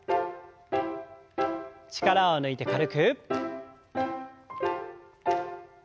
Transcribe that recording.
力を抜いて軽く。